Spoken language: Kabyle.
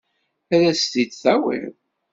Ad as-t-id-tawiḍ?